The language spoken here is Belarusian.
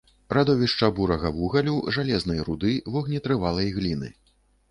Радовішча бурага вугалю, жалезнай руды, вогнетрывалай гліны.